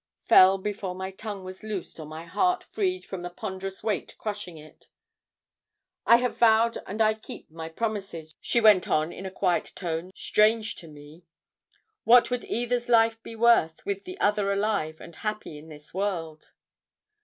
fell before my tongue was loosed or my heart freed from the ponderous weight crushing it. "'I have vowed and I keep my promises,' she went on in a tone quite strange to me. 'What would either's life be worth with the other alive and happy in this world.